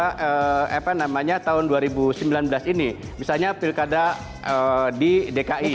karena apa namanya tahun dua ribu sembilan belas ini misalnya pilkada di dki